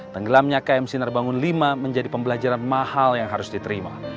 tenggelamnya km sinar bangun v menjadi pembelajaran mahal yang harus diterima